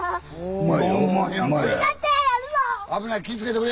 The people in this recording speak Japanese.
お前